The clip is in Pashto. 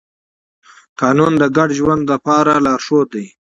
قانون د ګډ ژوند لپاره لارښود دی.